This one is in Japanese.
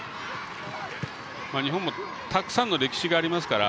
日本もたくさんの歴史がありますから。